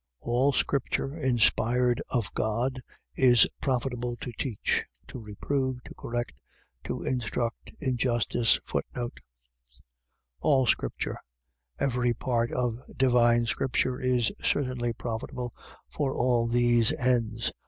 3:16. All scripture, inspired of God, is profitable to teach, to reprove, to correct, to instruct in justice: All scripture,. . .Every part of divine scripture is certainly profitable for all these ends.